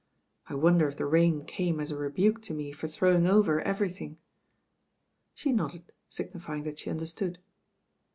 "I wonder if the rain came as a rebuke to me for throwing over everything." She nodded, signifying that she understood.